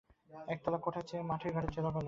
একতলা কোঠার চেয়ে মাটির ঘর ঢের ভাল।